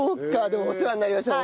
でもお世話になりました。